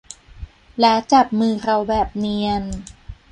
และจับมือเราแบบเนียน